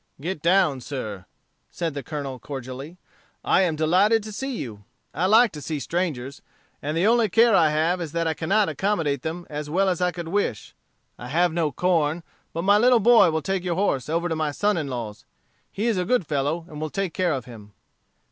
"Get down, sir," said the Colonel, cordially. "I am delighted to see you. I like to see strangers. And the only care I have is that I cannot accommodate them as well as I could wish. I have no corn, but my little boy will take your horse over to my son in law's. He is a good fellow, and will take care of him."